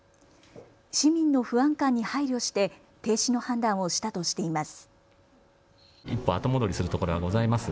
市民の不安感に配慮して停止の判断をしたとしています。